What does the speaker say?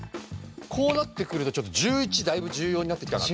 こうなってくるとちょっと１１だいぶ重要になってきたな。